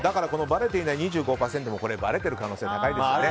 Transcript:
ばれていない２５％もばれてる可能性が高いですよね。